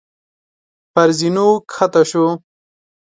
پر زينو کښته شو.